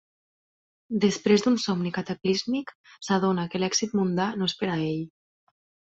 Després d'un somni cataclísmic, s'adona que l'èxit mundà no és per a ell.